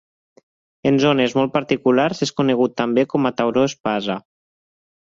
En zones molt particulars és conegut també com a tauró espasa.